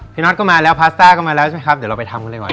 น็อตก็มาแล้วพาสต้าก็มาแล้วใช่ไหมครับเดี๋ยวเราไปทำกันเลยก่อน